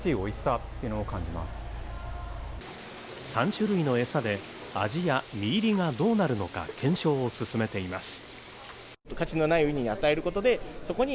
３種類の餌で味や身入りがどうなるのか検証を進めています